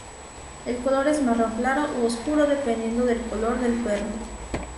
El color es marrón claro u oscuro dependiendo del color del perro.